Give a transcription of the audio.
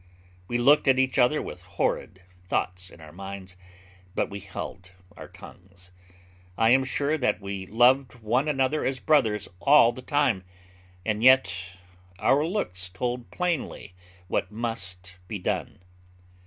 We looked at each other with horrid thoughts in our minds, but we held our tongues. I am sure that we loved one another as brothers all the time; and yet our looks told plainly what must be done.